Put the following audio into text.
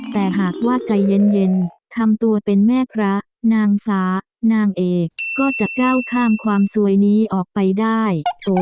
แต่หากว่าใจเย็นทำตัวเป็นแม่พระนางฟ้านางเอกก็จะก้าวข้ามความสวยนี้ออกไปได้